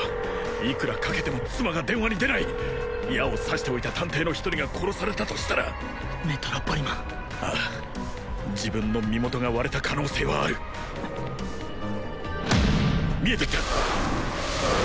いくらかけても妻が電話に出ない矢を刺しておいた探偵の一人が殺されたとしたらメトロポリマンああ自分の身元が割れた可能性はある見えてきた！